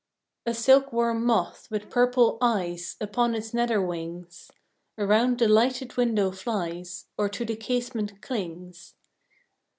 A silk worm moth, with purple "eyes" Upon its nether wings, Around the lighted window flies, Or to the casement clings.